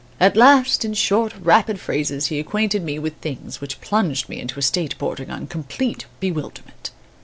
At last, in short rapid phrases, he acquainted me with things which plunged me into a state bordering on complete bewilderment.